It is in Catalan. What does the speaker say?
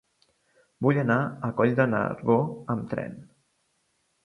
Vull anar a Coll de Nargó amb tren.